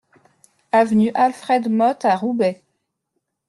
Avenue Alfred Motte à Roubaix